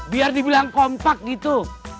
biar dibilang kompak gitu